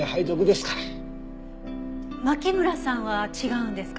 牧村さんは違うんですか？